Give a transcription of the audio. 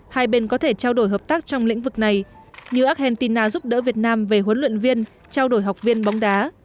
hai bên có thể trao đổi hợp tác trong lĩnh vực này như argentina giúp đỡ việt nam về huấn luyện viên trao đổi học viên bóng đá